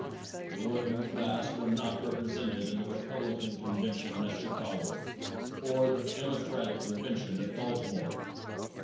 The working class was not represented in the Republican convention at Chicago or the Democratic convention at Baltimore.